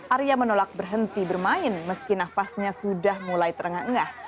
arya menolak berhenti bermain meski nafasnya sudah mulai terengah engah